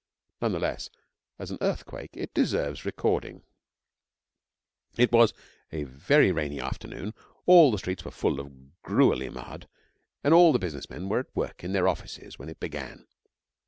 None the less as an earthquake it deserves recording. It was a very rainy afternoon; all the streets were full of gruelly mud, and all the business men were at work in their offices when it began.